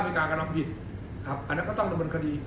มีการกำลังผิดครับอันนั้นก็ต้องระบวนคดี